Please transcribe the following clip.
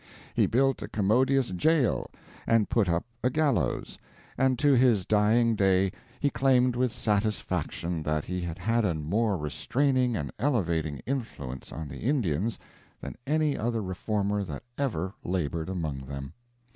He built a commodious jail and put up a gallows, and to his dying day he claimed with satisfaction that he had had a more restraining and elevating influence on the Indians than any other reformer that ever labored among them.